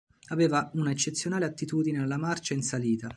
Aveva una eccezionale attitudine alla marcia in salita.